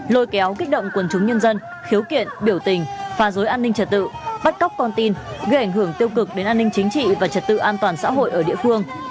lôi kéo kích động quần chúng nhân dân khiếu kiện biểu tình phá dối an ninh trật tự bắt cóc con tin gây ảnh hưởng tiêu cực đến an ninh chính trị và trật tự an toàn xã hội ở địa phương